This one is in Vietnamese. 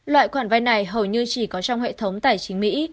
loại khoản vay này hầu như chỉ có trong hệ thống tài chính mỹ